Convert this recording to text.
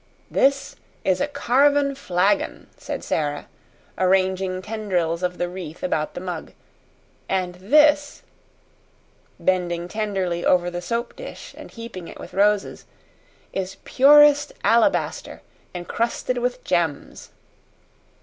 "This is a carven flagon," said Sara, arranging tendrils of the wreath about the mug. "And this" bending tenderly over the soap dish and heaping it with roses "is purest alabaster encrusted with gems."